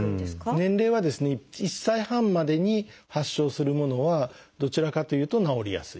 年齢は１歳半までに発症するものはどちらかというと治りやすい。